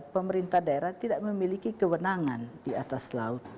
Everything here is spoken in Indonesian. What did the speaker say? pemerintah daerah tidak memiliki kewenangan di atas laut